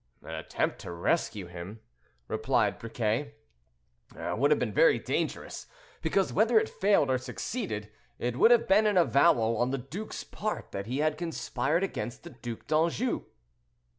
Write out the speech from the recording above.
"An attempt to rescue him," replied Briquet, "would have been very dangerous, because, whether it failed or succeeded, it would have been an avowal, on the duke's part, that he had conspired against the Duc d'Anjou."